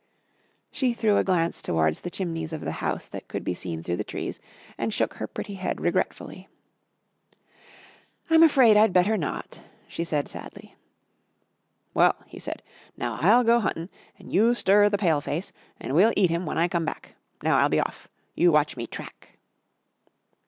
She threw a glance towards the chimneys of the house that could be seen through the trees and shook her pretty head regretfully. "I'm afraid I'd better not," she said sadly. "Well," he said, "now I'll go huntin' and you stir the Pale face and we'll eat him when I come back. Now, I'll be off. You watch me track."